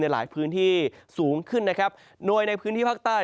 หลายพื้นที่สูงขึ้นนะครับโดยในพื้นที่ภาคใต้